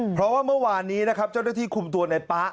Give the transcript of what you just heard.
เพราะว่าเมื่อวานนี้นะครับเจ้าหน้าที่คุมตัวในป๊า